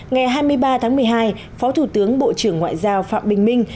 ngày hai mươi ba tháng một mươi hai phó thủ tướng bộ trưởng ngoại giao phạm bình minh